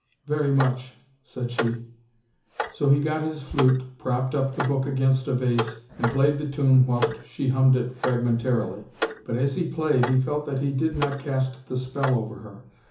"Very much," said she. So he got his flute, propped up the book against a vase, and played the tune, whilst she hummed it fragmentarily. But as he played, he felt that he did not cast the spell over her.